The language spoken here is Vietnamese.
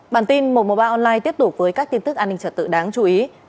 bản tin một trăm một mươi ba online tiếp tục với các tin tức an ninh trật tự đáng chú ý